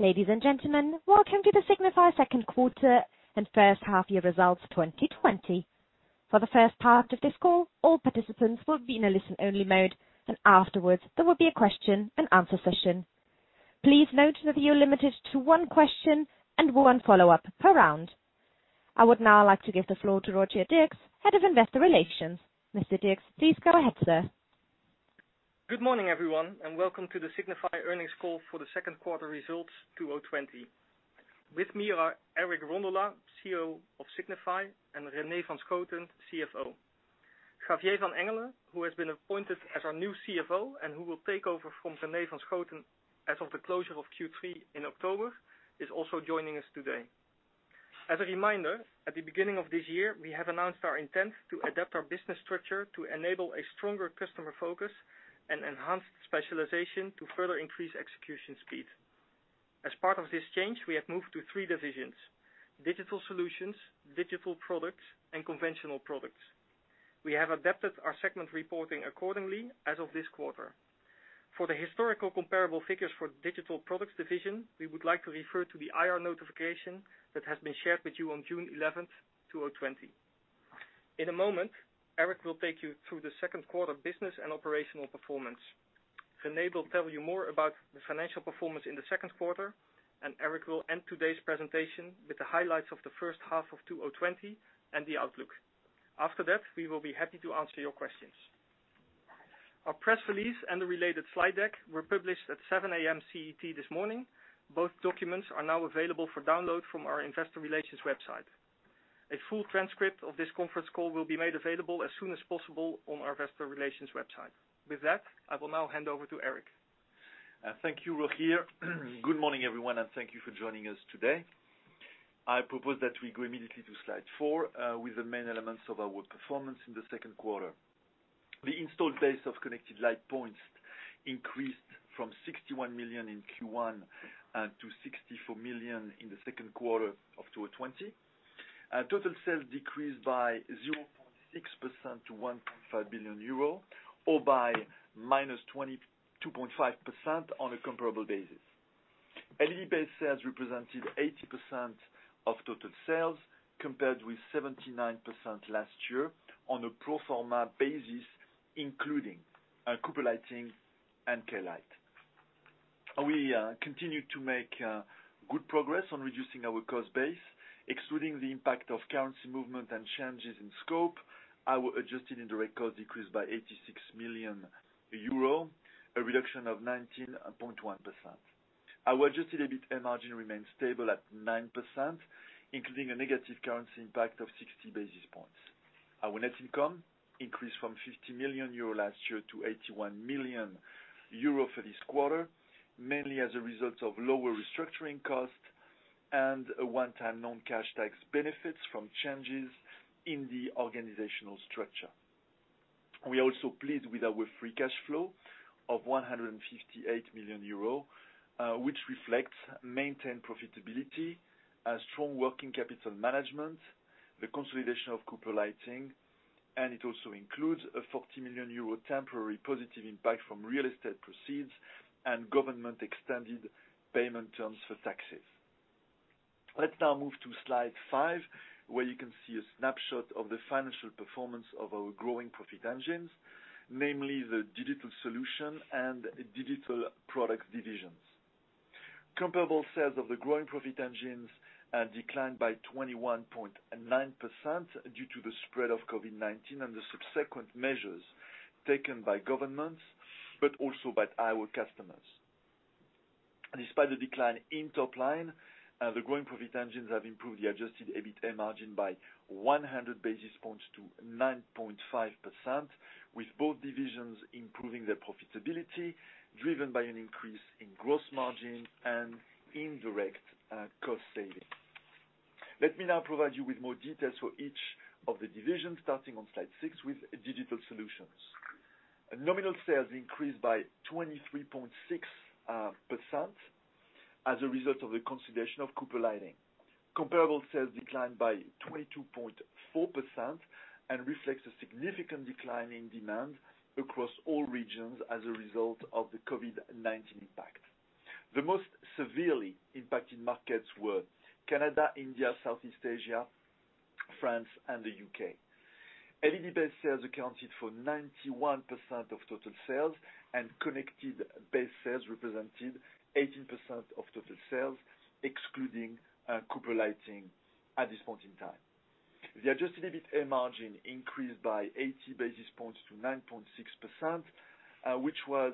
Ladies and gentlemen, welcome to the Signify second quarter and first half year results 2020. For the first part of this call, all participants will be in a listen-only mode, and afterwards there will be a question-and-answer session. Please note that you are limited to one question and one follow-up per round. I would now like to give the floor to Rogier Dierckx, Head of Investor Relations. Mr. Dierckx, please go ahead, sir. Good morning, everyone, and welcome to the Signify earnings call for the second quarter results 2020. With me are Eric Rondolat, CEO of Signify, and René van Schooten, CFO. Javier van Engelen, who has been appointed as our new CFO and who will take over from René van Schooten as of the closure of Q3 in October, is also joining us today. As a reminder, at the beginning of this year, we have announced our intent to adapt our business structure to enable a stronger customer focus and enhanced specialization to further increase execution speed. As part of this change, we have moved to three divisions: Digital Solutions, Digital Products, and Conventional Products. We have adapted our segment reporting accordingly as of this quarter. For the historical comparable figures for Digital Products, we would like to refer to the IR notification that has been shared with you on June 11th, 2020. In a moment, Eric will take you through the second quarter business and operational performance. René will tell you more about the financial performance in the second quarter, and Eric will end today's presentation with the highlights of the first half of 2020 and the outlook. After that, we will be happy to answer your questions. Our press release and the related slide deck were published at 7:00 A.M. CET this morning. Both documents are now available for download from our investor relations website. A full transcript of this conference call will be made available as soon as possible on our investor relations website. With that, I will now hand over to Eric. Thank you, Rogier. Good morning, everyone, and thank you for joining us today. I propose that we go immediately to slide four with the main elements of our performance in the second quarter. The installed base of connected light points increased from 61 million in Q1 to 64 million in the second quarter of 2020. Total sales decreased by 0.6% to 1.5 billion euro or by -2.5% on a comparable basis. LED-based sales represented 80% of total sales, compared with 79% last year on a pro forma basis, including Cooper Lighting and Klite. We continue to make good progress on reducing our cost base. Excluding the impact of currency movement and changes in scope, our adjusted indirect cost decreased by 86 million euro, a reduction of 19.1%. Our adjusted EBITA margin remains stable at 9%, including a negative currency impact of 60 basis points. Our net income increased from 50 million euro last year to 81 million euro for this quarter, mainly as a result of lower restructuring costs and a one-time non-cash tax benefits from changes in the organizational structure. We are also pleased with our free cash flow of 158 million euro which reflects maintained profitability, a strong working capital management, the consolidation of Cooper Lighting, and it also includes a 40 million euro temporary positive impact from real estate proceeds and government extended payment terms for taxes. Let's now move to slide five, where you can see a snapshot of the financial performance of our growing profit engines, namely the Digital Solutions and Digital Products divisions. Comparable sales of the growing profit engines declined by 21.9% due to the spread of COVID-19 and the subsequent measures taken by governments, but also by our customers. Despite the decline in top line, the growing profit engines have improved the adjusted EBITA margin by 100 basis points to 9.5%, with both divisions improving their profitability, driven by an increase in gross margin and indirect cost saving. Let me now provide you with more details for each of the divisions, starting on slide six with Digital Solutions. Nominal sales increased by 23.6% as a result of the consolidation of Cooper Lighting. Comparable sales declined by 22.4% and reflects a significant decline in demand across all regions as a result of the COVID-19 impact. The most severely impacted markets were Canada, India, Southeast Asia, France, and the U.K. LED-based sales accounted for 91% of total sales and connected-based sales represented 18% of total sales, excluding Cooper Lighting at this point in time. The adjusted EBITA margin increased by 80 basis points to 9.6%, which was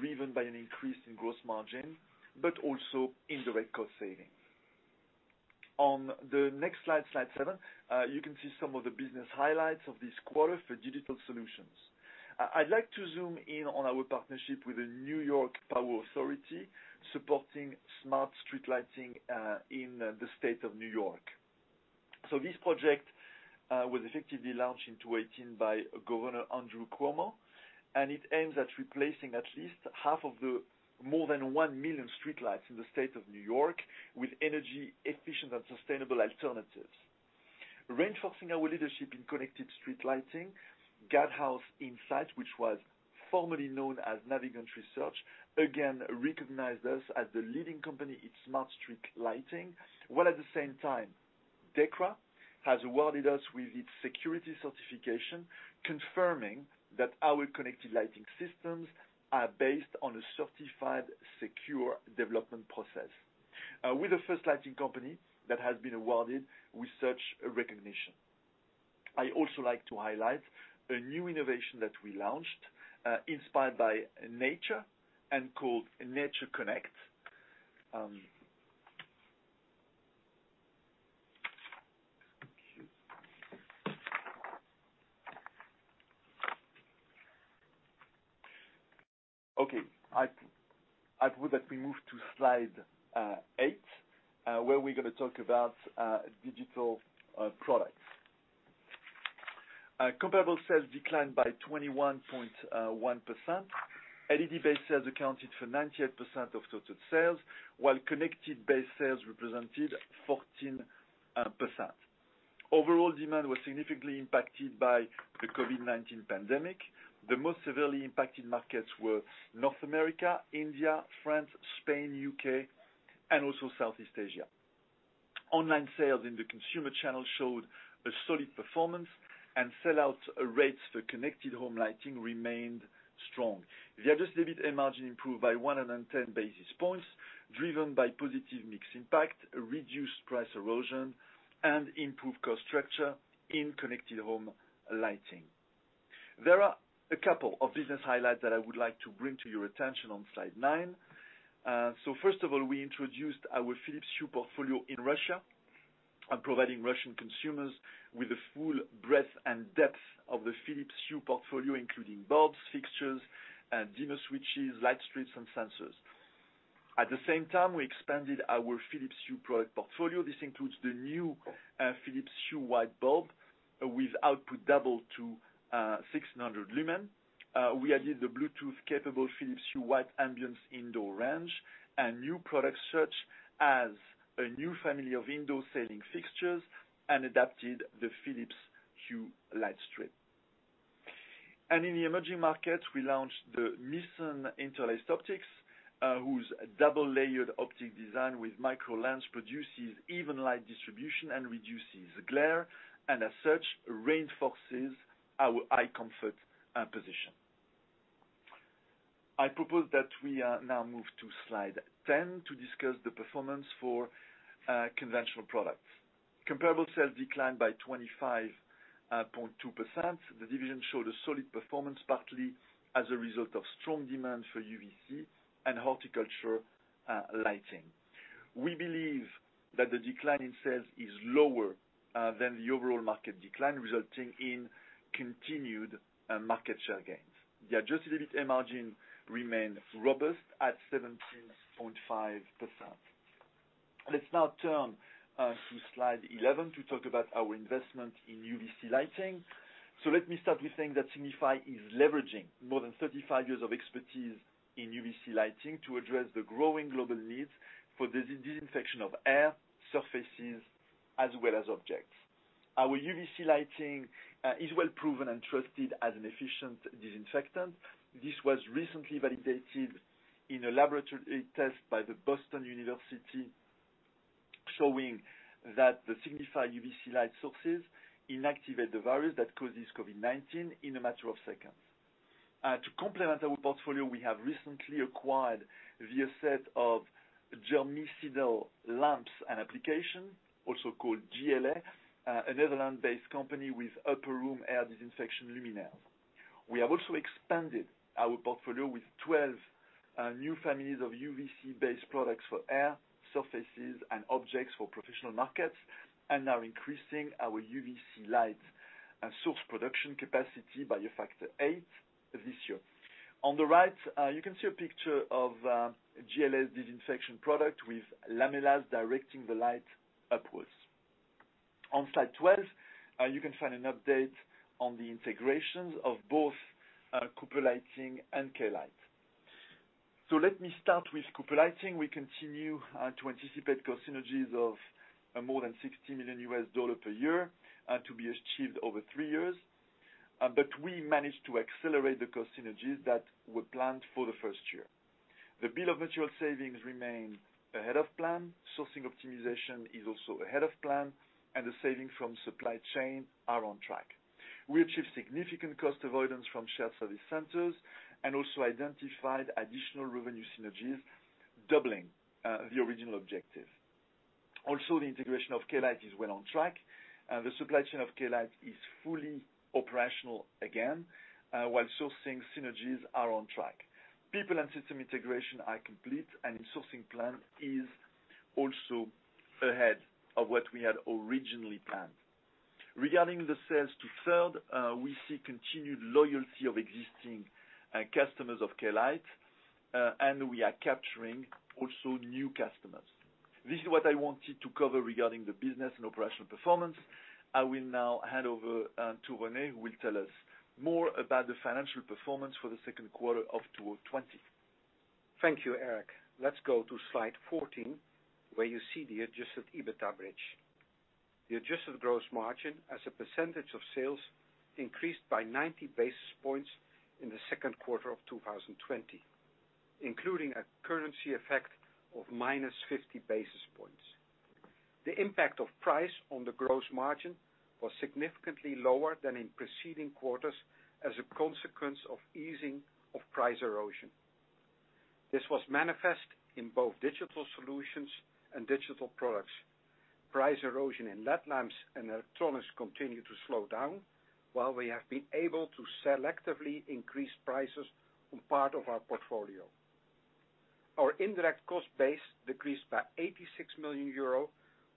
driven by an increase in gross margin, but also indirect cost saving. On the next slide seven, you can see some of the business highlights of this quarter for Digital Solutions. I'd like to zoom in on our partnership with the New York Power Authority, supporting smart street lighting in the state of New York. This project was effectively launched in 2018 by Governor Andrew Cuomo, and it aims at replacing at least half of the more than 1 million streetlights in the state of New York with energy efficient and sustainable alternatives. Reinforcing our leadership in connected street lighting, Guidehouse Insights, which was formerly known as Navigant Research, again recognized us as the leading company in smart street lighting, while at the same time DEKRA has awarded us with its security certification, confirming that our connected lighting systems are based on a certified secure development process. We're the first lighting company that has been awarded with such recognition. I also like to highlight a new innovation that we launched, inspired by nature and called NatureConnect. Thank you. Okay. I propose that we move to Slide eight, where we're going to talk about Digital Products. Comparable sales declined by 21.1%. LED-based sales accounted for 98% of total sales, while connected-based sales represented 14%. Overall demand was significantly impacted by the COVID-19 pandemic. The most severely impacted markets were North America, India, France, Spain, U.K., and also Southeast Asia. Online sales in the consumer channel showed a solid performance, sell-out rates for connected home lighting remained strong. The adjusted EBIT margin improved by 110 basis points, driven by positive mix impact, reduced price erosion, and improved cost structure in connected home lighting. There are a couple of business highlights that I would like to bring to your attention on Slide nine. First of all, we introduced our Philips Hue portfolio in Russia, providing Russian consumers with the full breadth and depth of the Philips Hue portfolio, including bulbs, fixtures, and dimmer switches, light strips, and sensors. At the same time, we expanded our Philips Hue product portfolio. This includes the new Philips Hue white bulb with output double to 600 lumen. We added the Bluetooth-capable Philips Hue White Ambiance indoor range, and new product such as a new family of indoor ceiling fixtures and adapted the Philips Hue light strip. In the emerging markets, we launched the Nissan Interact Optics, whose double-layered optic design with micro lens produces even light distribution and reduces glare, and as such, reinforces our eye comfort position. I propose that we now move to Slide 10 to discuss the performance for Conventional Products. Comparable sales declined by 25.2%. The division showed a solid performance, partly as a result of strong demand for UVC and horticulture lighting. We believe that the decline in sales is lower than the overall market decline, resulting in continued market share gains. The adjusted EBIT margin remained robust at 17.5%. Let's now turn to Slide 11 to talk about our investment in UVC lighting. Let me start with saying that Signify is leveraging more than 35 years of expertise in UVC lighting to address the growing global needs for the disinfection of air, surfaces, as well as objects. Our UVC lighting is well proven and trusted as an efficient disinfectant. This was recently validated in a laboratory test by the Boston University, showing that the Signify UVC light sources inactivate the virus that causes COVID-19 in a matter of seconds. To complement our portfolio, we have recently acquired t of Germicidal Lamps & Applications, also called GLA, a Netherlands-based company with upper-room air disinfection luminaires. We have also expanded our portfolio with 12 new families of UVC-based products for air, surfaces, and objects for professional markets and are increasing our UVC light source production capacity by a factor eight this year. On the right, you can see a picture of a GLA disinfection product with lamellas directing the light upwards. On Slide 12, you can find an update on the integrations of both Cooper Lighting and Klite. Let me start with Cooper Lighting. We continue to anticipate cost synergies of more than $60 million per year to be achieved over three years. We managed to accelerate the cost synergies that were planned for the first year. The bill of material savings remain ahead of plan, sourcing optimization is also ahead of plan, and the saving from supply chain are on track. We achieved significant cost avoidance from shared service centers and also identified additional revenue synergies, doubling the original objective. The integration of Klite is well on track. The supply chain of Klite is fully operational again while sourcing synergies are on track. People and system integration are complete, sourcing plan is also ahead of what we had originally planned. Regarding the sales to third, we see continued loyalty of existing customers of Klite, and we are capturing also new customers. This is what I wanted to cover regarding the business and operational performance. I will now hand over to René, who will tell us more about the financial performance for the second quarter of 2020. Thank you, Eric. Let's go to slide 14, where you see the adjusted EBITA bridge. The adjusted gross margin as a percentage of sales increased by 90 basis points in the second quarter of 2020, including a currency effect of -50 basis points. The impact of price on the gross margin was significantly lower than in preceding quarters as a consequence of easing of price erosion. This was manifest in both Digital Solutions and Digital Products. Price erosion in LED lamps and electronics continue to slow down, while we have been able to selectively increase prices on part of our portfolio. Our indirect cost base decreased by 86 million euro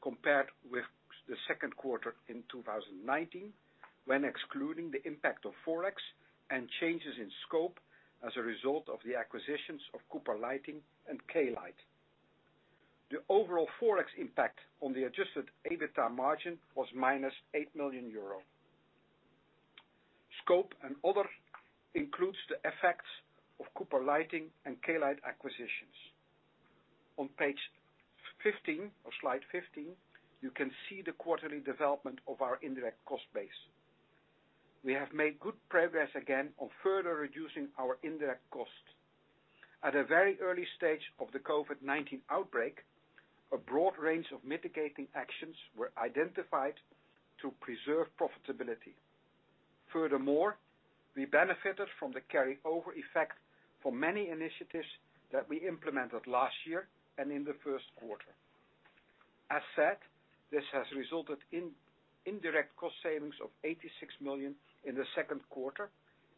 compared with the second quarter in 2019, when excluding the impact of forex and changes in scope as a result of the acquisitions of Cooper Lighting and Klite. The overall forex impact on the adjusted EBITDA margin was -8 million euro. Scope and other includes the effects of Cooper Lighting and Klite acquisitions. On page 15 or slide 15, you can see the quarterly development of our indirect cost base. We have made good progress again on further reducing our indirect cost. At a very early stage of the COVID-19 outbreak, a broad range of mitigating actions were identified to preserve profitability. Furthermore, we benefited from the carryover effect for many initiatives that we implemented last year and in the first quarter. As said, this has resulted in indirect cost savings of 86 million in the second quarter,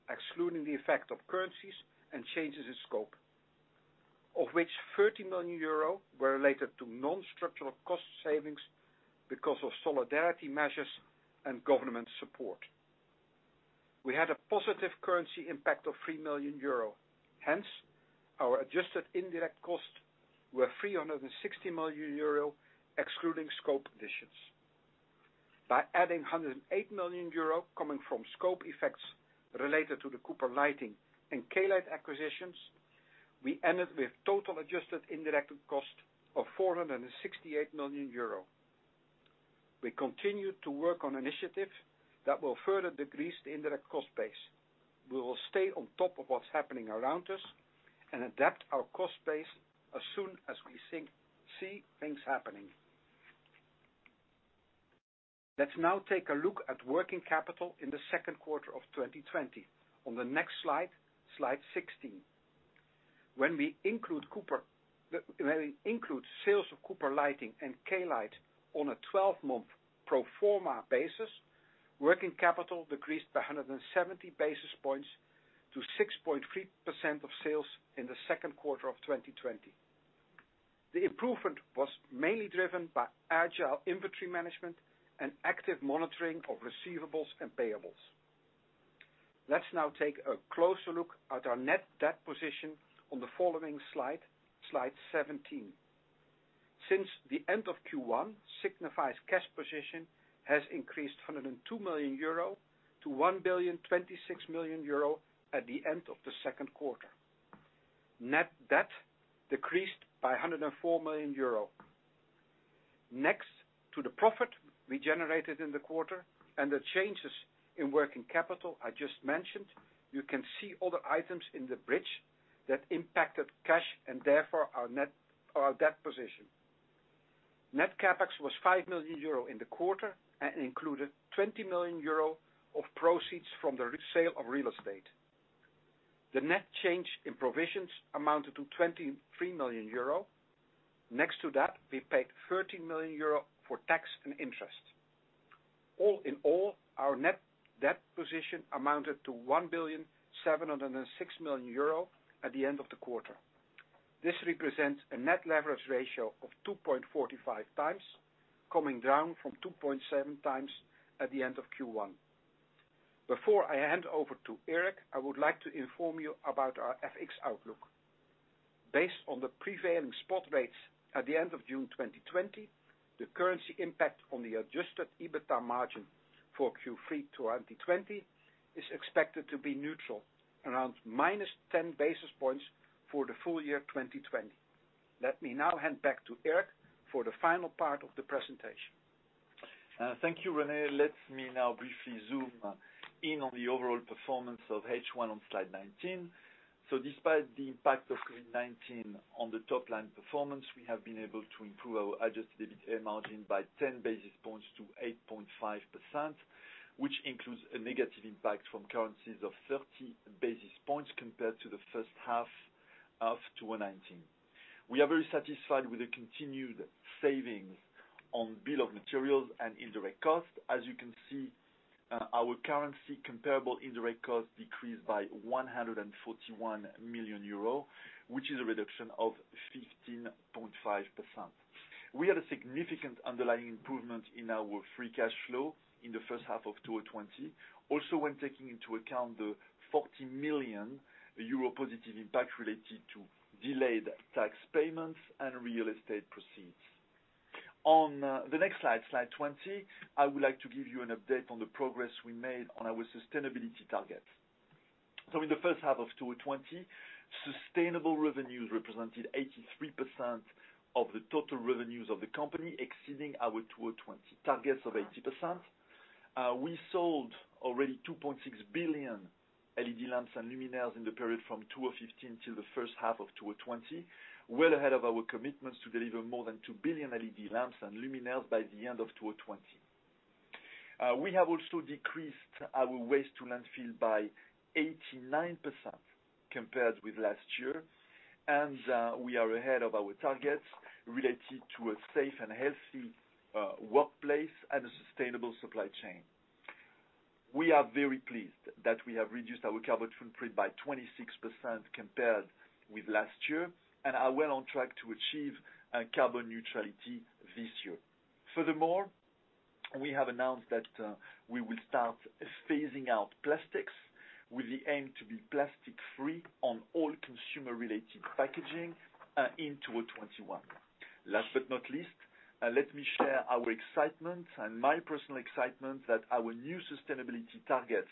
excluding the effect of currencies and changes in scope, of which 30 million euro were related to non-structural cost savings because of solidarity measures and government support. We had a positive currency impact of 3 million euro. Hence, our adjusted indirect costs were 360 million euro, excluding scope additions. By adding 108 million euro coming from scope effects related to the Cooper Lighting and Klite acquisitions, we ended with total adjusted indirect cost of 468 million euro. We continue to work on initiatives that will further decrease the indirect cost base. We will stay on top of what's happening around us and adapt our cost base as soon as we see things happening. Let's now take a look at working capital in the second quarter of 2020 on the next slide 16. When we include sales of Cooper Lighting and Klite on a 12-month pro forma basis, working capital decreased by 170 basis points to 6.3% of sales in the second quarter of 2020. The improvement was mainly driven by agile inventory management and active monitoring of receivables and payables. Let's now take a closer look at our net debt position on the following slide 17. Since the end of Q1, Signify's cash position has increased 102 million-1.026 billion euro at the end of the second quarter. Net debt decreased by 104 million euro. Next to the profit we generated in the quarter and the changes in working capital I just mentioned, you can see other items in the bridge that impacted cash and therefore our net debt position. Net CapEx was 5 million euro in the quarter and included 20 million euro of proceeds from the resale of real estate. The net change in provisions amounted to 23 million euro. Next to that, we paid 13 million euro for tax and interest. All in all, our net debt position amounted to 1.706 billion at the end of the quarter. This represents a net leverage ratio of 2.45x, coming down from 2.7x at the end of Q1. Before I hand over to Eric, I would like to inform you about our FX outlook. Based on the prevailing spot rates at the end of June 2020, the currency impact on the adjusted EBITDA margin for Q3 2020 is expected to be neutral, around -10 basis points for the full year 2020. Let me now hand back to Eric for the final part of the presentation. Thank you, René. Let me now briefly zoom in on the overall performance of H1 on slide 19. Despite the impact of COVID-19 on the top-line performance, we have been able to improve our adjusted EBITDA margin by 10 basis points to 8.5%, which includes a negative impact from currencies of 30 basis points compared to the first half of 2019. We are very satisfied with the continued savings on bill of materials and indirect costs. As you can see, our currency comparable indirect costs decreased by 141 million euros, which is a reduction of 15.5%. We had a significant underlying improvement in our free cash flow in the first half of 2020. Also, when taking into account the 40 million euro positive impact related to delayed tax payments and real estate proceeds. On the next slide 20, I would like to give you an update on the progress we made on our sustainability targets. In the first half of 2020, sustainable revenues represented 83% of the total revenues of the company, exceeding our 2020 targets of 80%. We sold already 2.6 billion LED lamps and luminaires in the period from 2015 till the first half of 2020, well ahead of our commitments to deliver more than 2 billion LED lamps and luminaires by the end of 2020. We have also decreased our waste to landfill by 89% compared with last year, and we are ahead of our targets related to a safe and healthy workplace and a sustainable supply chain. We are very pleased that we have reduced our carbon footprint by 26% compared with last year, and are well on track to achieve carbon neutrality this year. Furthermore, we have announced that we will start phasing out plastics with the aim to be plastic-free on all consumer-related packaging in 2021. Last but not least, let me share our excitement and my personal excitement that our new sustainability targets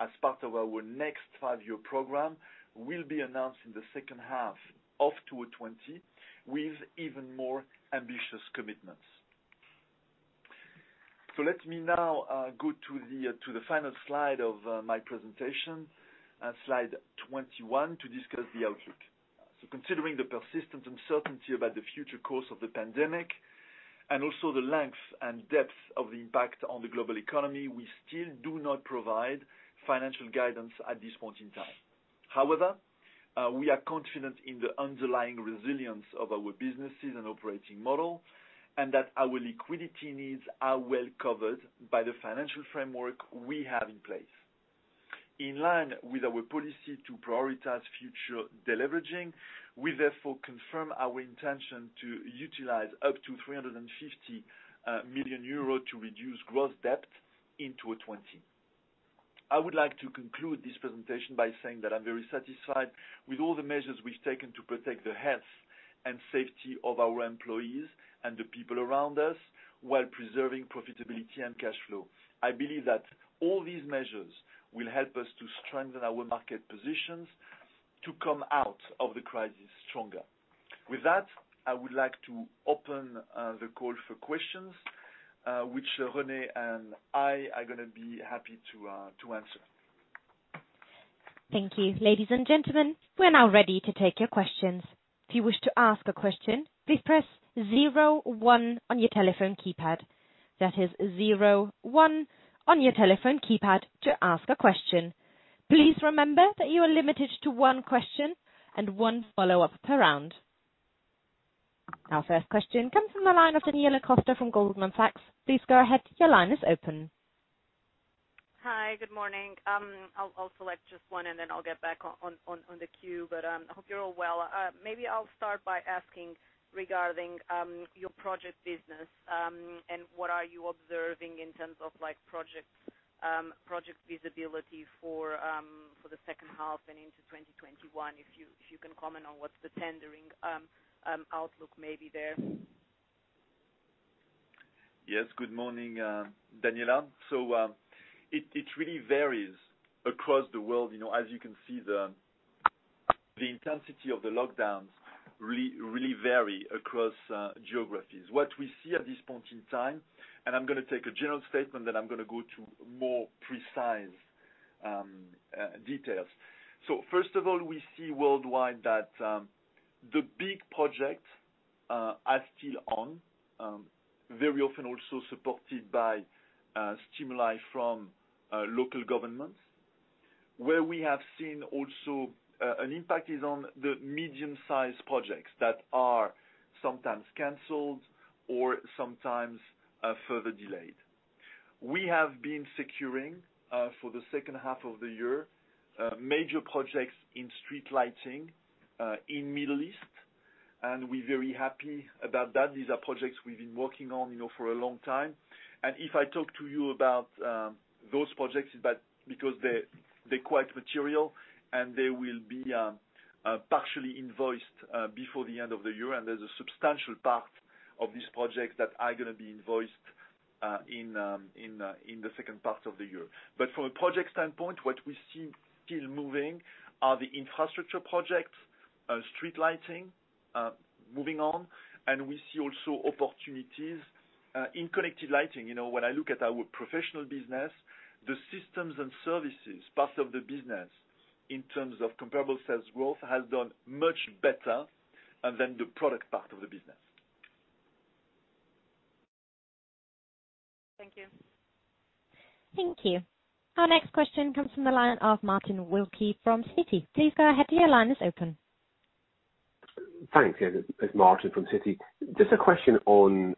as part of our next five-year program will be announced in the second half of 2020 with even more ambitious commitments. Let me now go to the final slide of my presentation, slide 21, to discuss the outlook. Considering the persistent uncertainty about the future course of the pandemic and also the length and depth of the impact on the global economy, we still do not provide financial guidance at this point in time. We are confident in the underlying resilience of our businesses and operating model, and that our liquidity needs are well covered by the financial framework we have in place. In line with our policy to prioritize future deleveraging, we therefore confirm our intention to utilize up to 350 million euro to reduce gross debt in 2020. I would like to conclude this presentation by saying that I'm very satisfied with all the measures we've taken to protect the health and safety of our employees and the people around us while preserving profitability and cash flow. I believe that all these measures will help us to strengthen our market positions to come out of the crisis stronger. With that, I would like to open the call for questions, which René and I are going to be happy to answer. Thank you. Ladies and gentlemen, we're now ready to take your questions. If you wish to ask a question, please press zero one on your telephone keypad. That is zero one on your telephone keypad to ask a question. Please remember that you are limited to one question and one follow-up per round. Our first question comes from the line of Daniela Costa from Goldman Sachs. Please go ahead. Your line is open. Hi. Good morning. I'll select just one and then I'll get back on the queue, but I hope you're all well. Maybe I'll start by asking regarding your project business and what are you observing in terms of project visibility for the second half and into 2021, if you can comment on what's the tendering outlook may be there. Yes. Good morning, Daniela. It really varies across the world. As you can see, the intensity of the lockdowns really vary across geographies. What we see at this point in time, and I'm going to take a general statement, then I'm going to go to more precise details. First of all, we see worldwide that the big projects are still on, very often also supported by stimuli from local governments. Where we have seen also an impact is on the medium-sized projects that are sometimes canceled or sometimes further delayed. We have been securing, for the second half of the year, major projects in street lighting in Middle East, and we're very happy about that. These are projects we've been working on for a long time. If I talk to you about those projects, because they're quite material and they will be partially invoiced before the end of the year, and there's a substantial part of these projects that are going to be invoiced in the second part of the year. From a project standpoint, what we see still moving are the infrastructure projects, street lighting moving on, and we see also opportunities in connected lighting. When I look at our professional business, the systems and services part of the business in terms of comparable sales growth has done much better than the product part of the business. Thank you. Thank you. Our next question comes from the line of Martin Wilkie from Citi. Please go ahead. Your line is open. Thanks. It's Martin from Citi. Just a question on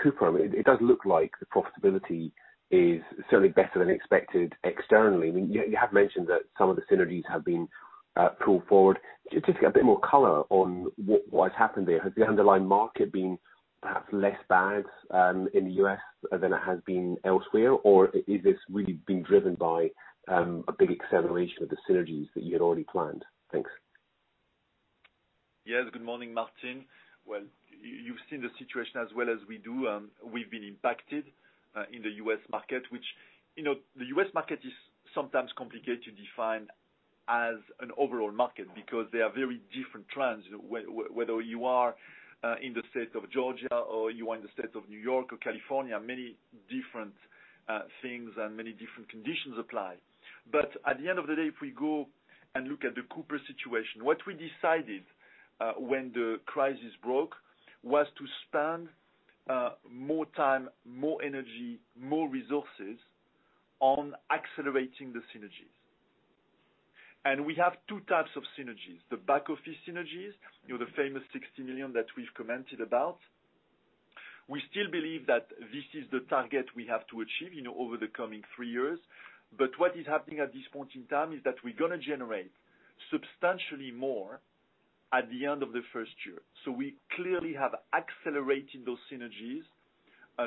Cooper. It does look like the profitability is certainly better than expected externally. You have mentioned that some of the synergies have been pulled forward. Just to get a bit more color on what has happened there. Has the underlying market been perhaps less bad in the U.S. than it has been elsewhere, or is this really being driven by a big acceleration of the synergies that you had already planned? Thanks. Yes. Good morning, Martin. Well, you've seen the situation as well as we do. We've been impacted in the U.S. market. Which, the U.S. market is sometimes complicated to define as an overall market because there are very different trends, whether you are in the state of Georgia or you are in the State of New York or California, many different things and many different conditions apply. But at the end of the day, if we go and look at the Cooper Lighting situation, what we decided when the crisis broke was to spend more time, more energy, more resources on accelerating the synergies. We have two types of synergies, the back-office synergies, the famous $60 million that we've commented about. We still believe that this is the target we have to achieve over the coming three years. What is happening at this point in time is that we're going to generate substantially more at the end of the first year. We clearly have accelerated those synergies,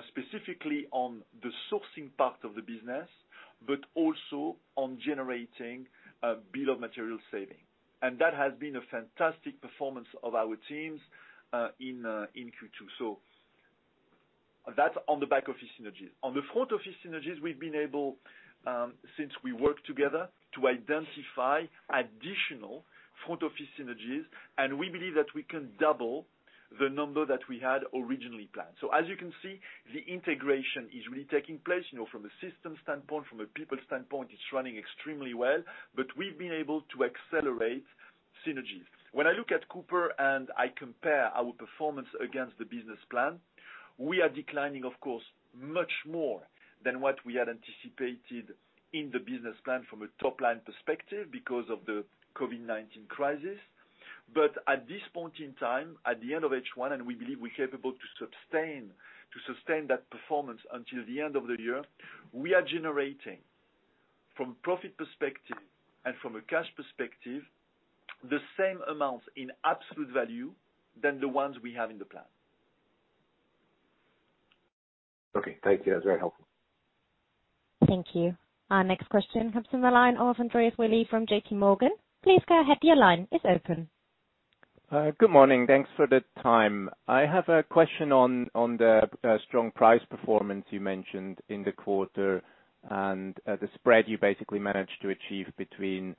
specifically on the sourcing part of the business, but also on generating bill of material saving. That has been a fantastic performance of our teams in Q2. That's on the back-office synergies. On the front-office synergies, we've been able, since we worked together, to identify additional front-office synergies, and we believe that we can double the number that we had originally planned. As you can see, the integration is really taking place, from a system standpoint, from a people standpoint, it's running extremely well. We've been able to accelerate synergies. When I look at Cooper and I compare our performance against the business plan, we are declining, of course, much more than what we had anticipated in the business plan from a top-line perspective because of the COVID-19 crisis. At this point in time, at the end of H1, and we believe we're capable to sustain that performance until the end of the year, we are generating, from profit perspective and from a cash perspective, the same amounts in absolute value than the ones we have in the plan. Okay. Thank you. That was very helpful. Thank you. Our next question comes from the line of Andreas Willi from JPMorgan. Please go ahead. Your line is open. Good morning. Thanks for the time. I have a question on the strong price performance you mentioned in the quarter and the spread you basically managed to achieve between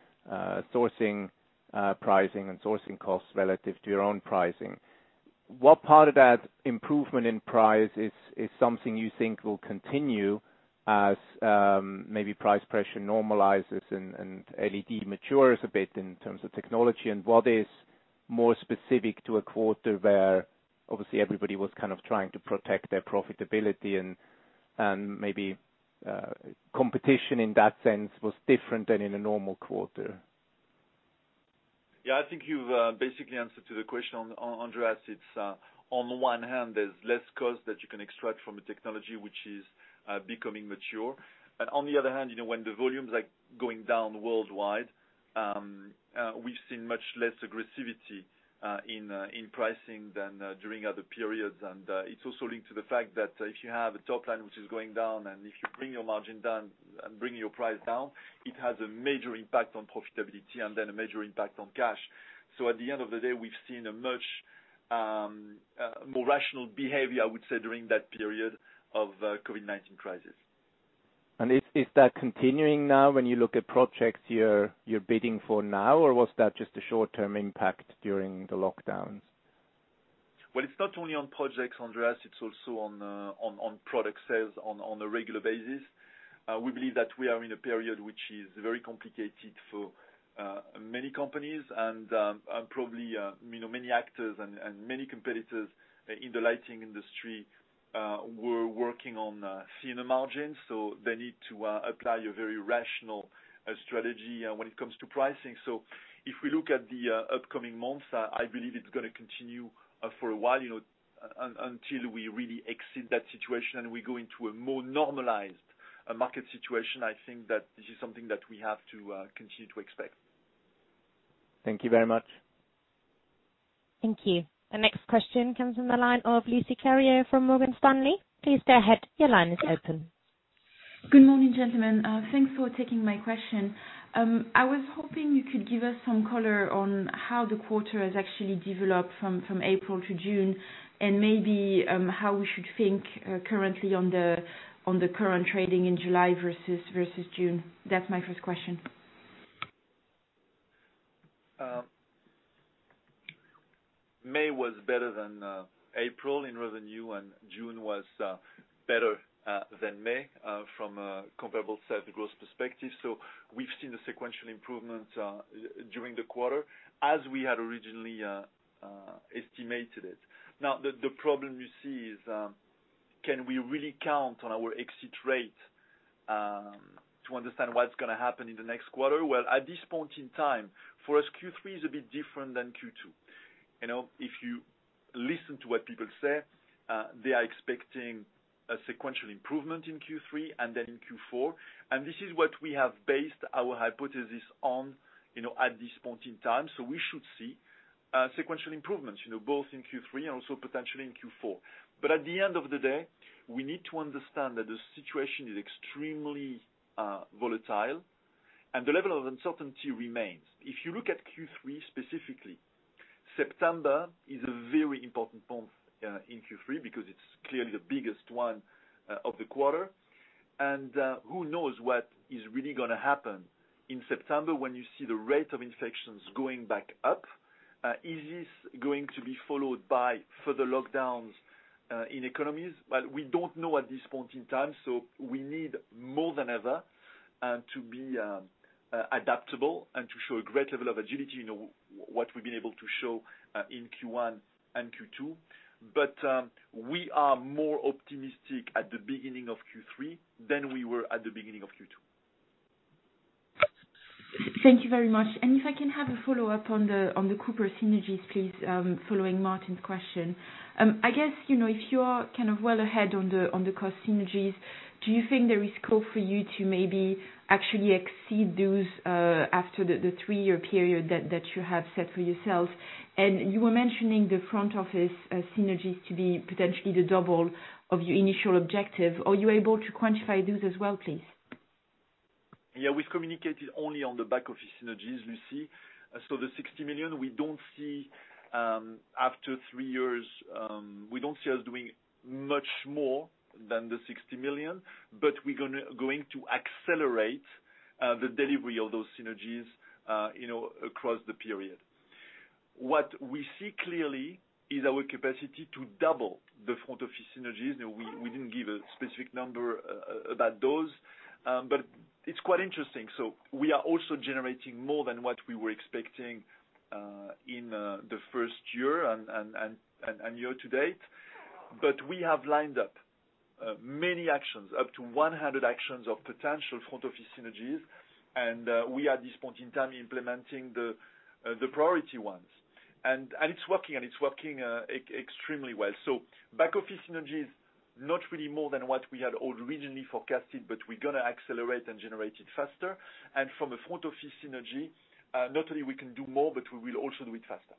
sourcing pricing and sourcing costs relative to your own pricing. What part of that improvement in price is something you think will continue as maybe price pressure normalizes and LED matures a bit in terms of technology? What is more specific to a quarter where, obviously everybody was kind of trying to protect their profitability and maybe competition in that sense was different than in a normal quarter? Yeah, I think you've basically answered to the question, Andreas. It's on one hand, there's less cost that you can extract from a technology which is becoming mature. On the other hand, when the volumes are going down worldwide, we've seen much less aggressivity in pricing than during other periods. It's also linked to the fact that if you have a top line which is going down and if you bring your margin down and bring your price down, it has a major impact on profitability and then a major impact on cash. At the end of the day, we've seen a much more rational behavior, I would say, during that period of COVID-19 crisis. Is that continuing now when you look at projects you're bidding for now? Or was that just a short-term impact during the lockdowns? Well, it's not only on projects, Andreas, it's also on product sales on a regular basis. We believe that we are in a period which is very complicated for many companies and probably many actors and many competitors in the lighting industry were working on thinner margins, so they need to apply a very rational strategy when it comes to pricing. If we look at the upcoming months, I believe it's going to continue for a while, until we really exit that situation and we go into a more normalized market situation. I think that this is something that we have to continue to expect. Thank you very much. Thank you. The next question comes from the line of Lucie Carrier from Morgan Stanley. Please go ahead. Your line is open. Good morning, gentlemen. Thanks for taking my question. I was hoping you could give us some color on how the quarter has actually developed from April to June, and maybe how we should think currently on the current trading in July versus June. That's my first question. May was better than April in revenue, and June was better than May from a comparable sales growth perspective. We've seen a sequential improvement during the quarter as we had originally estimated it. Now, the problem you see is, can we really count on our exit rate to understand what's going to happen in the next quarter? Well, at this point in time, for us Q3 is a bit different than Q2. If you listen to what people say, they are expecting a sequential improvement in Q3 and then in Q4. This is what we have based our hypothesis on, at this point in time. We should see sequential improvements, both in Q3 and also potentially in Q4. At the end of the day, we need to understand that the situation is extremely volatile. The level of uncertainty remains. If you look at Q3 specifically, September is a very important month in Q3 because it's clearly the biggest one of the quarter. Who knows what is really going to happen in September when you see the rate of infections going back up. Is this going to be followed by further lockdowns in economies? Well, we don't know at this point in time, we need more than ever to be adaptable and to show a great level of agility, what we've been able to show in Q1 and Q2. We are more optimistic at the beginning of Q3 than we were at the beginning of Q2. Thank you very much. If I can have a follow-up on the Cooper synergies, please, following Martin's question. I guess, if you are kind of well ahead on the cost synergies, do you think there is scope for you to maybe actually exceed those after the three-year period that you have set for yourselves? You were mentioning the front office synergies to be potentially the double of your initial objective. Are you able to quantify those as well, please? Yeah, we've communicated only on the back-office synergies, Lucie. The 60 million, we don't see after three years, we don't see us doing much more than the 60 million. We're going to accelerate the delivery of those synergies across the period. What we see clearly is our capacity to double the front office synergies. We didn't give a specific number about those. It's quite interesting. We are also generating more than what we were expecting in the first year and year-to-date. We have lined up many actions, up to 100 actions of potential front office synergies. We, at this point in time, implementing the priority ones. It's working extremely well. Back-office synergies, not really more than what we had originally forecasted, but we're going to accelerate and generate it faster. From a front office synergy, not only we can do more, but we will also do it faster.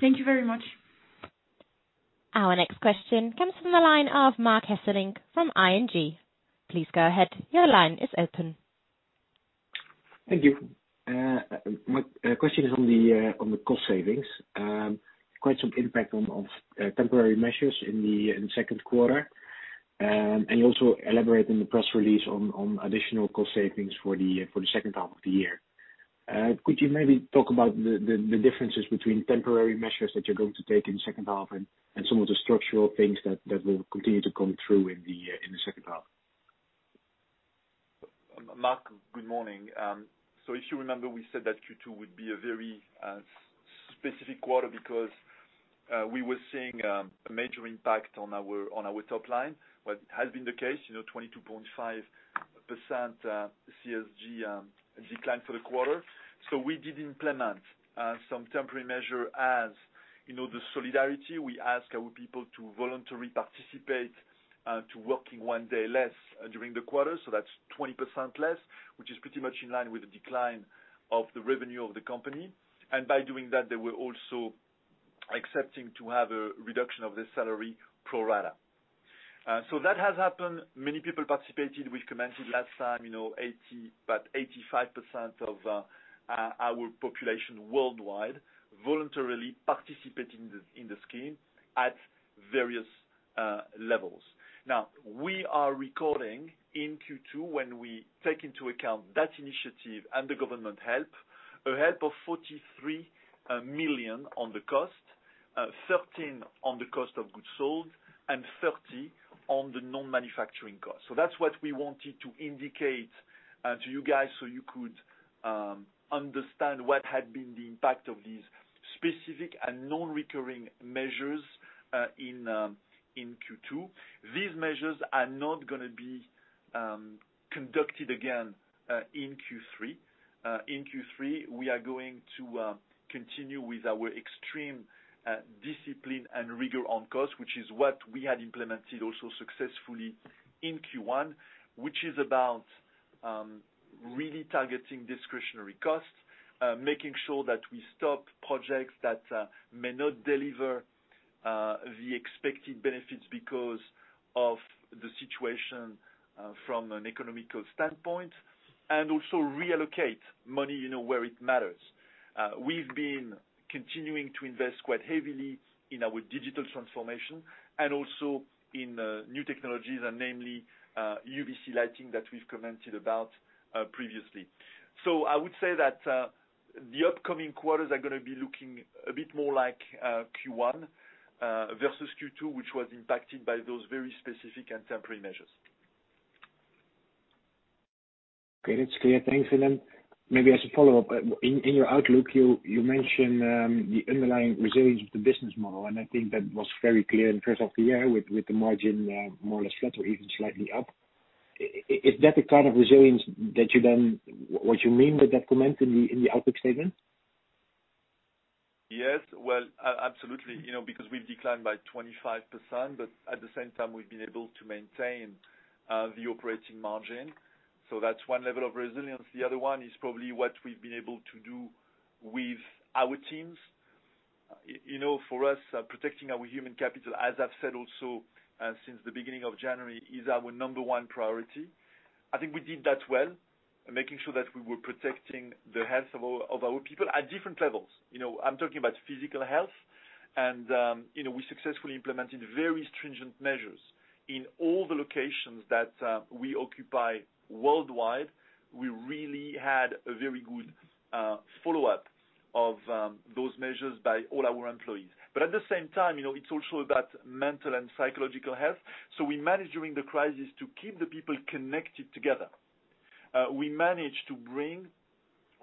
Thank you very much. Our next question comes from the line of Marc Hesselink from ING. Please go ahead. Your line is open. Thank you. My question is on the cost savings. Quite some impact of temporary measures in the second quarter. You also elaborate in the press release on additional cost savings for the second half of the year. Could you maybe talk about the differences between temporary measures that you're going to take in second half and some of the structural things that will continue to come through in the second half? Marc, good morning. If you remember, we said that Q2 would be a very specific quarter because we were seeing a major impact on our top line. It has been the case, 22.5% CSG decline for the quarter. We did implement some temporary measure. As you know, the solidarity, we ask our people to voluntarily participate to working one day less during the quarter. That's 20% less, which is pretty much in line with the decline of the revenue of the company. By doing that, they were also accepting to have a reduction of their salary pro rata. That has happened. Many people participated. We commented last time, about 85% of our population worldwide voluntarily participate in the scheme at various levels. We are recording in Q2, when we take into account that initiative and the government help, a help of 43 million on the cost, 13 on the cost of goods sold and 30 on the non-manufacturing cost. That's what we wanted to indicate to you guys so you could understand what had been the impact of these specific and non-recurring measures in Q2. These measures are not going to be conducted again in Q3. In Q3, we are going to continue with our extreme discipline and rigor on cost, which is what we had implemented also successfully in Q1, which is about really targeting discretionary costs, making sure that we stop projects that may not deliver the expected benefits because of the situation from an economical standpoint, and also reallocate money where it matters. We've been continuing to invest quite heavily in our digital transformation and also in new technologies and namely UVC lighting that we've commented about previously. I would say that the upcoming quarters are going to be looking a bit more like Q1 versus Q2, which was impacted by those very specific and temporary measures. Great. That's clear. Thanks. Maybe as a follow-up, in your outlook, you mentioned the underlying resilience of the business model, and I think that was very clear in the first half of the year with the margin more or less flat or even slightly up. Is that the kind of resilience that you what you mean with that comment in the outlook statement? Yes. Well, absolutely, because we've declined by 25%, but at the same time, we've been able to maintain the operating margin. That's one level of resilience. The other one is probably what we've been able to do with our teams. For us, protecting our human capital, as I've said also since the beginning of January, is our number one priority. I think we did that well, making sure that we were protecting the health of our people at different levels. I'm talking about physical health, and we successfully implemented very stringent measures in all the locations that we occupy worldwide. We really had a very good follow-up of those measures by all our employees. At the same time, it's also about mental and psychological health. We managed during the crisis to keep the people connected together. We managed to bring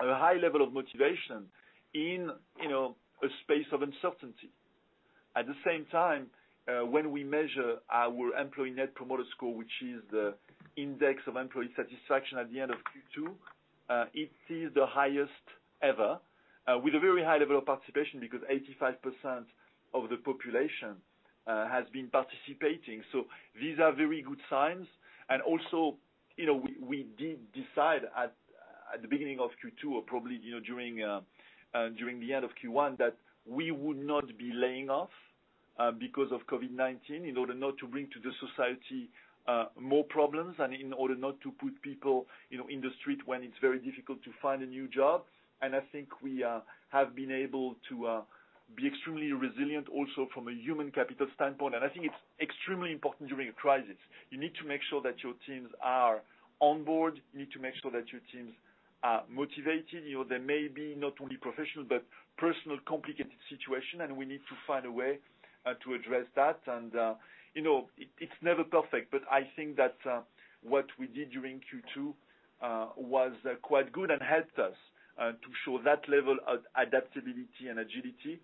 a high level of motivation in a space of uncertainty. At the same time, when we measure our Employee Net Promoter Score, which is the index of employee satisfaction at the end of Q2, it is the highest ever, with a very high level of participation because 85% of the population has been participating. These are very good signs. Also, we did decide at the beginning of Q2, or probably during the end of Q1, that we would not be laying off because of COVID-19 in order not to bring to the society more problems, and in order not to put people in the street when it's very difficult to find a new job. I think we have been able to be extremely resilient also from a human capital standpoint, and I think it's extremely important during a crisis. You need to make sure that your teams are on board. You need to make sure that your teams are motivated. There may be not only professional but personal complicated situation, and we need to find a way to address that. It's never perfect, but I think that what we did during Q2 was quite good and helped us to show that level of adaptability and agility,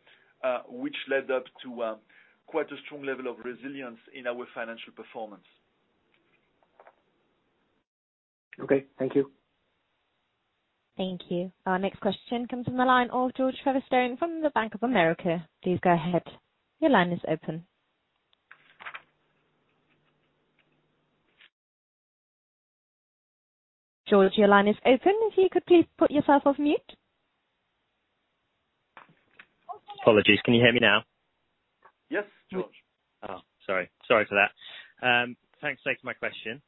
which led up to quite a strong level of resilience in our financial performance. Okay. Thank you. Thank you. Our next question comes from the line of George Featherstone from the Bank of America. Please go ahead. Your line is open. George, your line is open. If you could please put yourself off mute. Apologies. Can you hear me now? Yes, George. Oh, sorry for that. Thanks. Thanks for my question.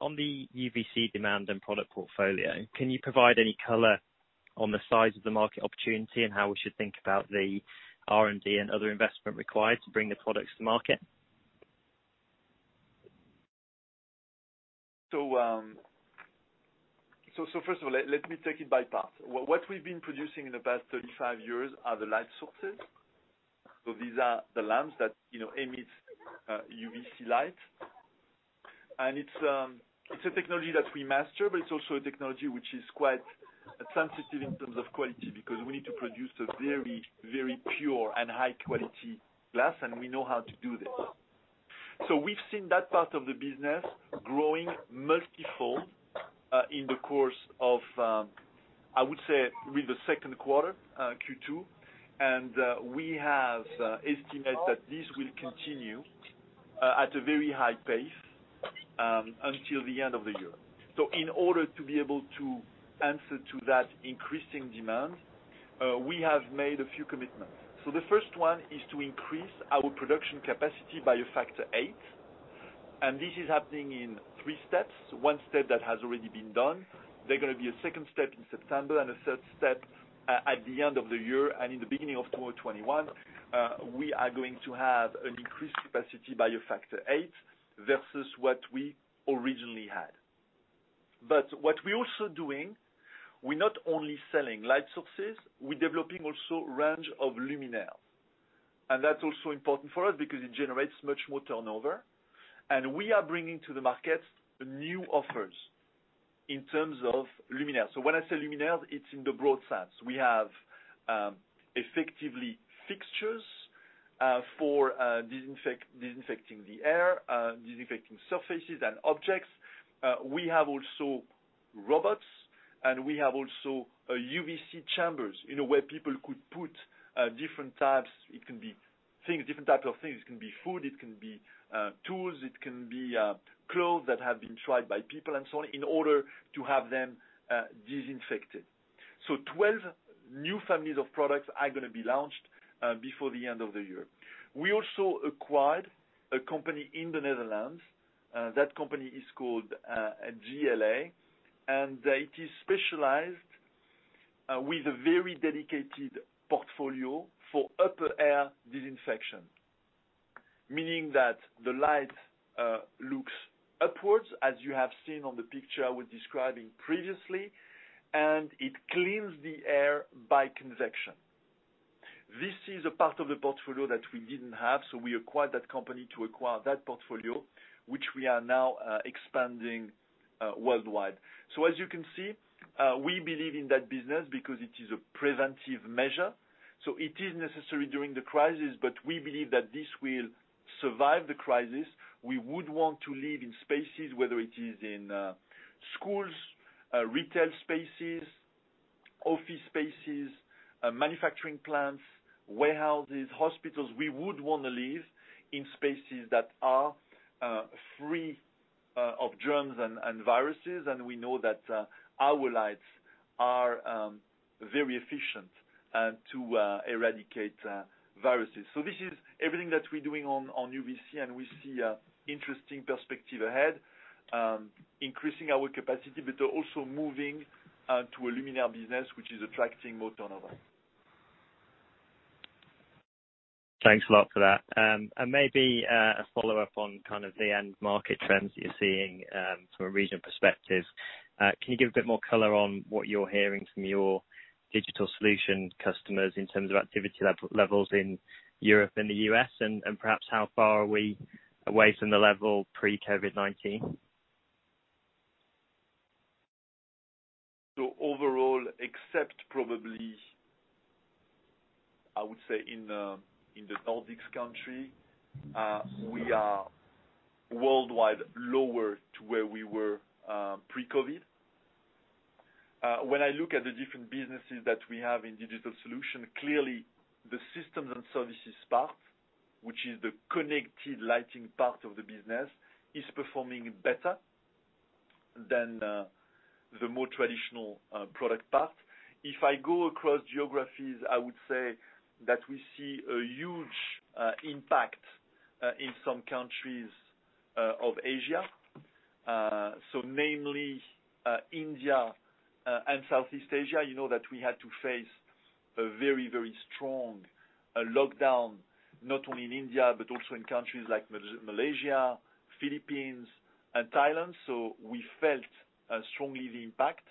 On the UVC demand and product portfolio, can you provide any color on the size of the market opportunity and how we should think about the R&D and other investment required to bring the products to market? First of all, let me take it by parts. What we've been producing in the past 35 years are the light sources. These are the lamps that emit UVC light. It's a technology that we master, but it's also a technology which is quite sensitive in terms of quality, because we need to produce a very, very pure and high-quality glass, and we know how to do this. We've seen that part of the business growing multifold in the course of, I would say, with the second quarter, Q2, and we have estimated that this will continue at a very high pace until the end of the year. In order to be able to answer to that increasing demand, we have made a few commitments. The first one is to increase our production capacity by a factor eight, and this is happening in three steps. One step that has already been done. There going to be a second step in September and a third step at the end of the year, and in the beginning of 2021. We are going to have an increased capacity by a factor eight versus what we originally had. What we're also doing, we're not only selling light sources, we're developing also range of luminaire. That's also important for us because it generates much more turnover, and we are bringing to the market new offers in terms of luminaire. When I say luminaire, it's in the broad sense. We have effectively fixtures for disinfecting the air, disinfecting surfaces and objects. We have also robots, and we have also UVC chambers where people could put different types. It can be different types of things. It can be food, it can be tools, it can be clothes that have been tried by people and so on, in order to have them disinfected. 12 new families of products are going to be launched before the end of the year. We also acquired a company in the Netherlands. That company is called GLA, and it is specialized with a very dedicated portfolio for upper air disinfection, meaning that the light looks upwards, as you have seen on the picture I was describing previously, and it cleans the air by convection. This is a part of the portfolio that we didn't have, so we acquired that company to acquire that portfolio, which we are now expanding worldwide. As you can see, we believe in that business because it is a preventive measure. It is necessary during the crisis, but we believe that this will survive the crisis. We would want to live in spaces, whether it is in schools, retail spaces, office spaces, manufacturing plants, warehouses, hospitals. We would want to live in spaces that are free of germs and viruses, and we know that our lights are very efficient to eradicate viruses. This is everything that we're doing on UVC, and we see interesting perspective ahead, increasing our capacity, but also moving to a luminaire business, which is attracting more turnover. Thanks a lot for that. Maybe a follow-up on the end market trends that you're seeing from a region perspective. Can you give a bit more color on what you're hearing from your Digital Solutions customers in terms of activity levels in Europe and the U.S., and perhaps how far are we away from the level pre-COVID-19? Overall, except probably, I would say, in the Nordics country, we are worldwide lower to where we were pre-COVID. When I look at the different businesses that we have in Digital Solutions, clearly the systems and services part, which is the connected lighting part of the business, is performing better than the more traditional product part. If I go across geographies, I would say that we see a huge impact in some countries of Asia. Namely, India and Southeast Asia. You know that we had to face a very strong lockdown, not only in India, but also in countries like Malaysia, Philippines, and Thailand. We felt strongly the impact.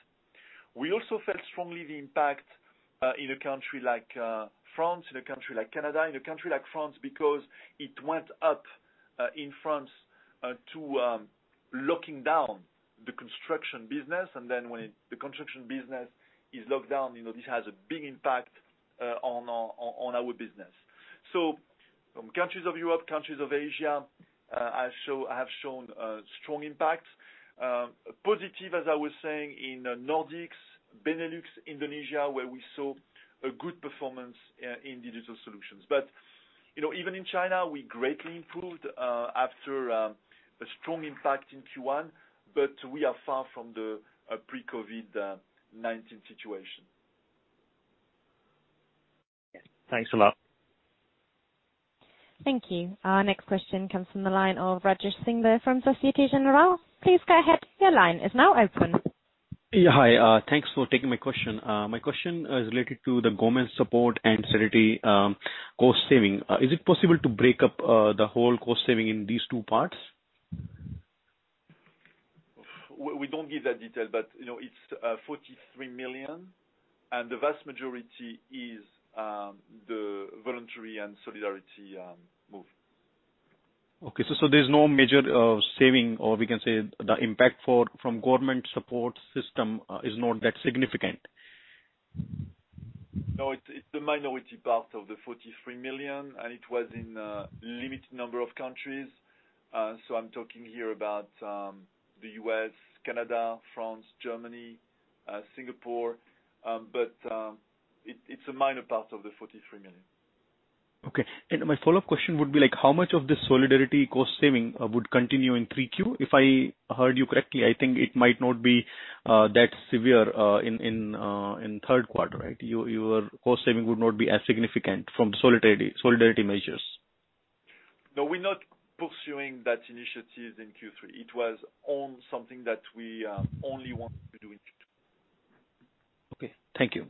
We also felt strongly the impact in a country like France, in a country like Canada. In a country like France because it went up in France to locking down the construction business, and then when the construction business is locked down, this has a big impact on our business. Countries of Europe, countries of Asia, have shown strong impact. Positive, as I was saying, in Nordics, Benelux, Indonesia, where we saw a good performance in Digital Solutions. Even in China, we greatly improved after a strong impact in Q1, but we are far from the pre-COVID-19 situation. Thanks a lot. Thank you. Our next question comes from the line of Rajesh Singla from Societe Generale. Please go ahead. Your line is now open. Yeah. Hi, thanks for taking my question. My question is related to the government support and solidarity cost saving. Is it possible to break up the whole cost saving in these two parts? We don't give that detail, but it's 43 million, and the vast majority is the voluntary and solidarity move. Okay. There's no major saving, or we can say the impact from government support system is not that significant. No, it's the minority part of the 43 million, and it was in a limited number of countries. I'm talking here about the U.S., Canada, France, Germany, Singapore. It's a minor part of the 43 million. Okay. My follow-up question would be, how much of this solidarity cost saving would continue in 3Q? If I heard you correctly, I think it might not be that severe in third quarter, right? Your cost saving would not be as significant from solidarity measures. We're not pursuing that initiative in Q3. It was something that we only want to do in Q2. Okay. Thank you.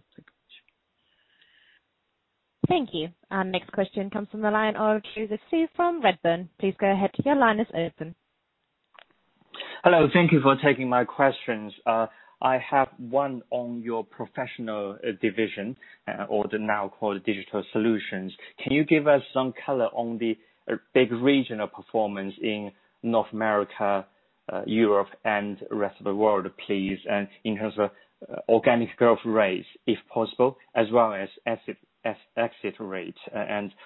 Thank you. Our next question comes from the line of Joseph Zhou from Redburn. Please go ahead. Your line is open. Hello. Thank you for taking my questions. I have one on your professional division, or the now called Digital Solutions. Can you give us some color on the big regional performance in North America, Europe, and rest of the world, please? In terms of organic growth rates, if possible, as well as exit rate.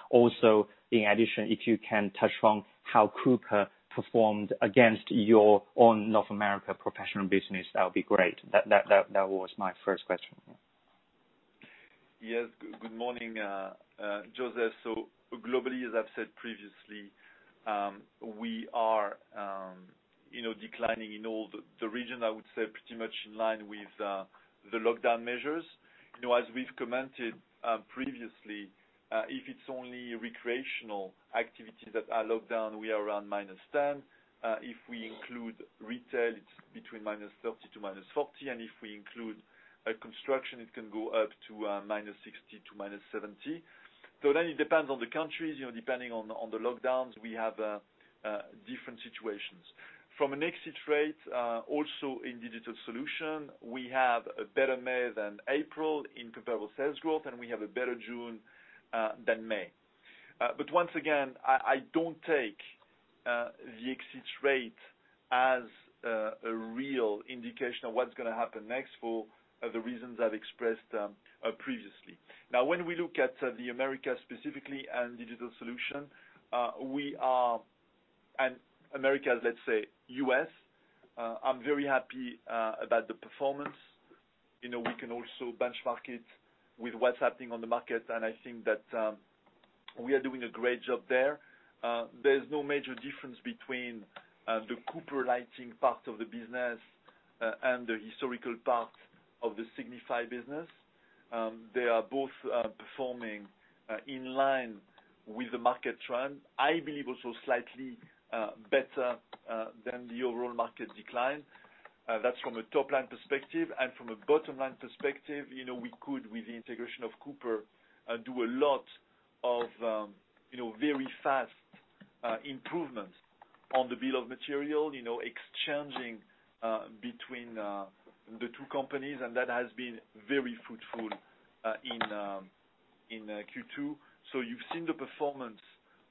Also, in addition, if you can touch on how Cooper performed against your own North America professional business, that would be great. That was my first question. Yes. Good morning, Joseph. Globally, as I've said previously, we are declining in all the region, I would say, pretty much in line with the lockdown measures. As we've commented previously, if it's only recreational activities that are locked down, we are around -10%. If we include retail, it's between -30% to -40%, and if we include construction, it can go up to -60% to -70%. It depends on the countries. Depending on the lockdowns, we have different situations. From an exit rate, also in Digital Solutions, we have a better May than April in comparable sales growth, and we have a better June than May. Once again, I don't take the exit rate as a real indication of what's going to happen next for the reasons I've expressed previously. When we look at the Americas specifically and Digital Solutions, and Americas, let's say U.S., I'm very happy about the performance. We can also benchmark it with what's happening on the market, I think that we are doing a great job there. There's no major difference between the Cooper Lighting part of the business and the historical part of the Signify business. They are both performing in line with the market trend. I believe also slightly better than the overall market decline. That's from a top-line perspective. From a bottom-line perspective, we could, with the integration of Cooper, do a lot of very fast improvements on the bill of material, exchanging between the two companies, and that has been very fruitful in Q2. You've seen the performance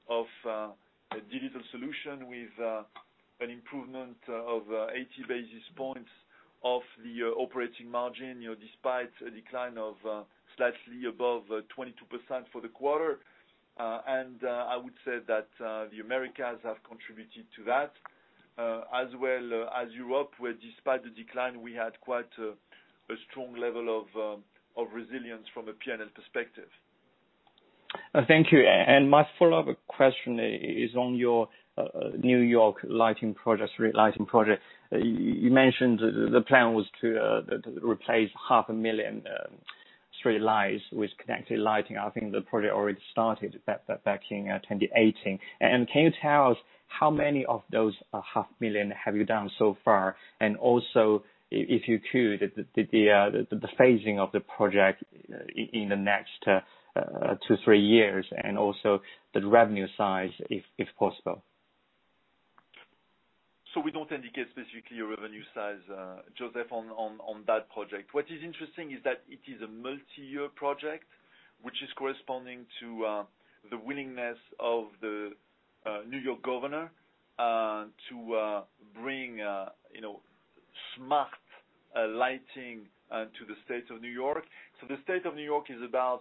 of a digital solution with an improvement of 80 basis points of the operating margin, despite a decline of slightly above 22% for the quarter. I would say that the Americas have contributed to that, as well as Europe, where despite the decline, we had quite a strong level of resilience from a P&L perspective. Thank you. My follow-up question is on your New York street lighting project. You mentioned the plan was to replace 500,000 street lights with connected lighting. I think the project already started back in 2018. Can you tell us how many of those 500,000 have you done so far? Also, if you could, the phasing of the project in the next two, three years and also the revenue size, if possible. We don't indicate specifically a revenue size, Joseph, on that project. What is interesting is that it is a multi-year project, which is corresponding to the willingness of the New York governor to bring smart lighting to the State of New York. The State of New York is about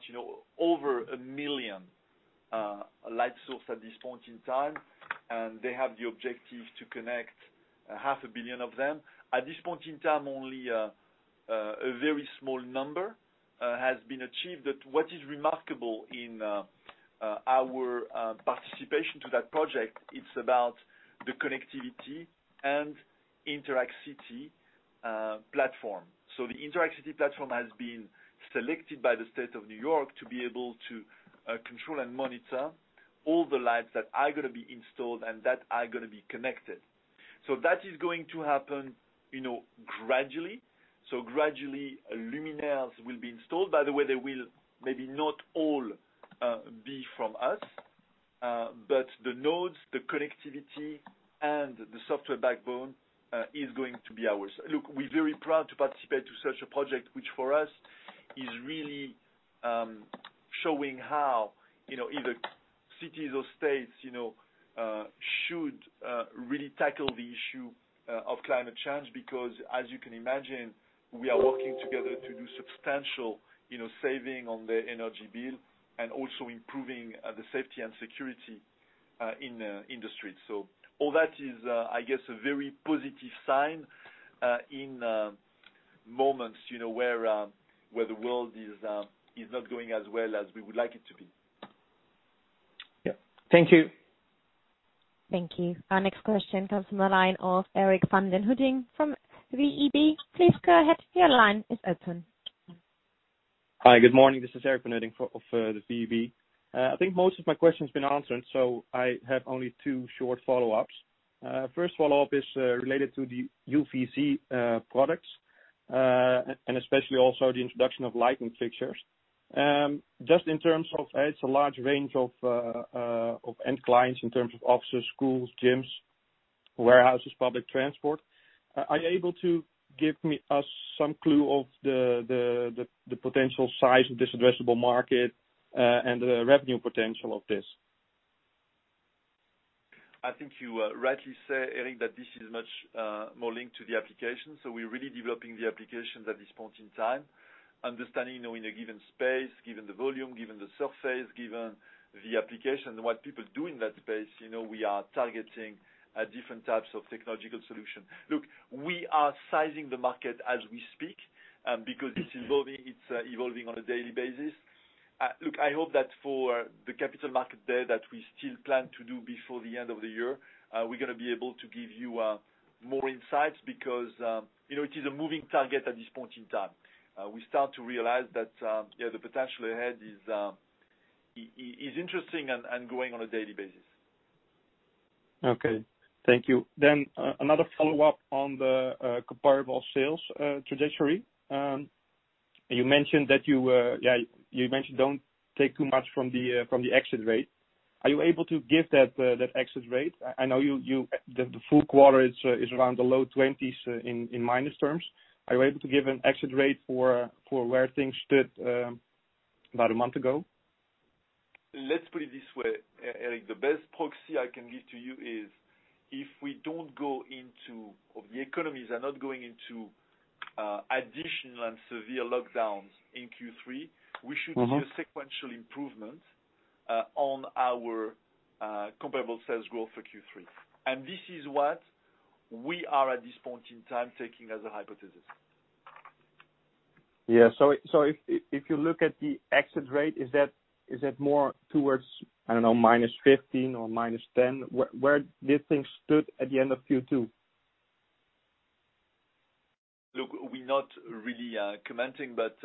over 1 million light source at this point in time. They have the objective to connect 500 million of them. At this point in time, only a very small number has been achieved. What is remarkable in our participation to that project, it's about the connectivity and Interact City platform. The Interact City platform has been selected by the State of New York to be able to control and monitor all the lights that are going to be installed and that are going to be connected. That is going to happen gradually. Gradually, luminaires will be installed. By the way, they will maybe not all be from us. The nodes, the connectivity and the software backbone is going to be ours. Look, we're very proud to participate to such a project, which for us is really showing how either cities or states should really tackle the issue of climate change, because as you can imagine, we are working together to do substantial saving on the energy bill and also improving the safety and security in the industry. All that is, I guess, a very positive sign in moments where the world is not going as well as we would like it to be. Yeah. Thank you. Thank you. Our next question comes from the line of Eric van den Hudding from VEB. Please go ahead, your line is open. Hi, good morning. This is Eric van den Hudding of the VEB. I think most of my question's been answered, I have only two short follow-ups. First follow-up is related to the UVC products, and especially also the introduction of lighting fixtures. Just in terms of, it's a large range of end clients in terms of offices, schools, gyms, warehouses, public transport. Are you able to give us some clue of the potential size of this addressable market, and the revenue potential of this? I think you rightly say, Eric, that this is much more linked to the application. We're really developing the application at this point in time, understanding, in a given space, given the volume, given the surface, given the application, what people do in that space, we are targeting different types of technological solution. Look, we are sizing the market as we speak, because it's evolving on a daily basis. Look, I hope that for the capital market day that we still plan to do before the end of the year, we're going to be able to give you more insights because it is a moving target at this point in time. We start to realize that the potential ahead is interesting and growing on a daily basis. Okay. Thank you. Another follow-up on the comparable sales trajectory. You mentioned don't take too much from the exit rate. Are you able to give that exit rate? I know the full quarter is around the low twenties in minus terms. Are you able to give an exit rate for where things stood about a month ago? Let's put it this way, Eric. The best proxy I can give to you is, if the economies are not going into additional and severe lockdowns in Q3, we should see a sequential improvement on our comparable sales growth for Q3. This is what we are, at this point in time, taking as a hypothesis. Yeah. If you look at the exit rate, is that more towards, I don't know, -15% or -10%? Where did things stood at the end of Q2? Look, we're not really commenting, but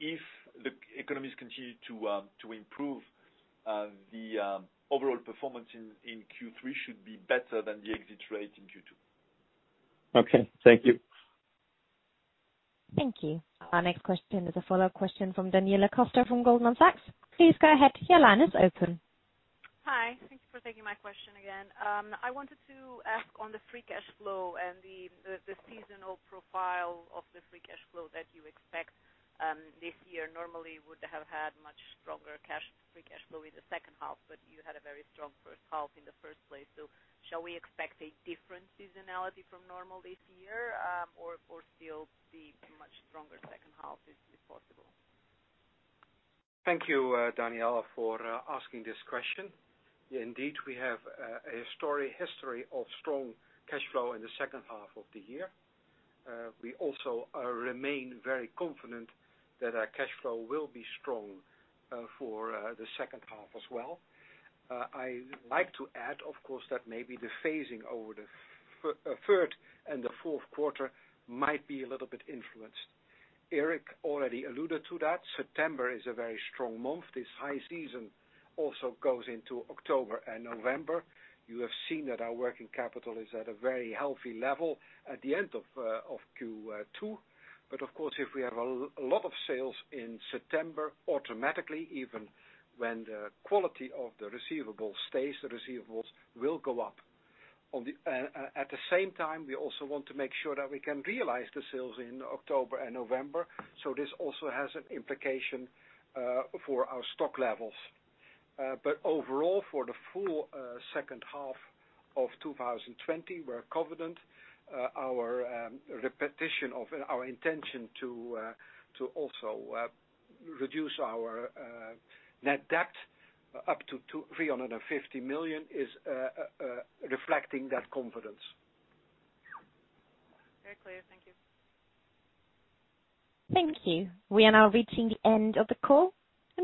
if the economies continue to improve, the overall performance in Q3 should be better than the exit rate in Q2. Okay. Thank you. Thank you. Our next question is a follow-up question from Daniela Costa from Goldman Sachs. Please go ahead. Your line is open. Hi. Thank you for taking my question again. I wanted to ask on the free cash flow and the seasonal profile of the free cash flow that you expect this year. Normally would have had much stronger free cash flow in the second half, but you had a very strong first half in the first place. Shall we expect a different seasonality from normal this year, or still be much stronger second half is possible? Thank you, Daniela, for asking this question. Indeed, we have a history of strong cash flow in the second half of the year. We also remain very confident that our cash flow will be strong for the second half as well. I like to add, of course, that maybe the phasing over the third and the fourth quarter might be a little bit influenced. Eric already alluded to that. September is a very strong month. This high season also goes into October and November. You have seen that our working capital is at a very healthy level at the end of Q2. Of course, if we have a lot of sales in September, automatically, even when the quality of the receivable stays, the receivables will go up. At the same time, we also want to make sure that we can realize the sales in October and November. This also has an implication for our stock levels. Overall, for the full second half of 2020, we're confident our intention to also reduce our net debt up to 350 million is reflecting that confidence. Very clear. Thank you. Thank you. We are now reaching the end of the call.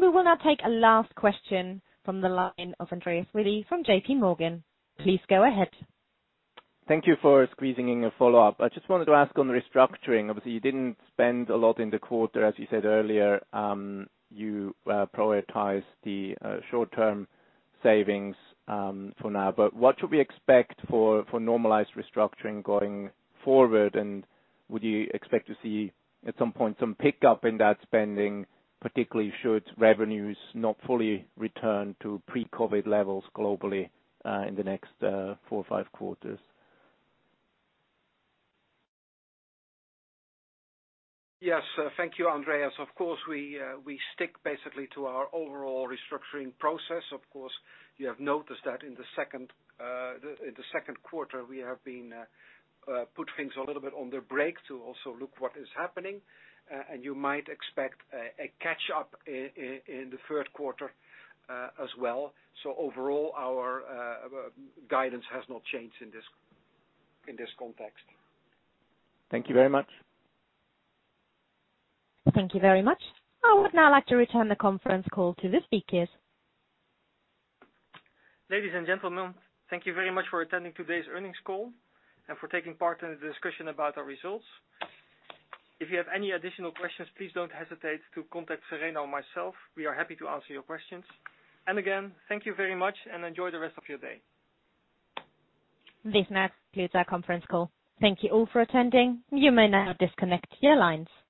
We will now take a last question from the line of Andreas Willi from JPMorgan. Please go ahead. Thank you for squeezing in a follow-up. I just wanted to ask on the restructuring. Obviously, you didn't spend a lot in the quarter, as you said earlier. You prioritized the short-term savings for now. What should we expect for normalized restructuring going forward? Would you expect to see at some point some pickup in that spending, particularly should revenues not fully return to pre-COVID levels globally, in the next four or five quarters? Yes. Thank you, Andreas. Of course, we stick basically to our overall restructuring process. Of course, you have noticed that in the second quarter, we have been put things a little bit on the brakes to also look what is happening. You might expect a catch up in the third quarter as well. Overall, our guidance has not changed in this context. Thank you very much. Thank you very much. I would now like to return the conference call to the speakers. Ladies and gentlemen, thank you very much for attending today's earnings call and for taking part in the discussion about our results. If you have any additional questions, please don't hesitate to contact Sereno or myself. We are happy to answer your questions. Again, thank you very much and enjoy the rest of your day. This now concludes our conference call. Thank you all for attending. You may now disconnect your lines.